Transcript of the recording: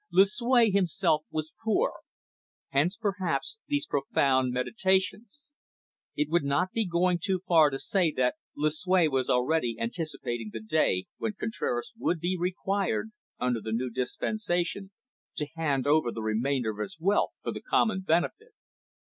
Lucue himself was poor. Hence, perhaps, these profound meditations. It would not be going too far to say that Lucue was already anticipating the day when Contraras would be required, under the new dispensation, to hand over the remainder of his wealth for the common benefit.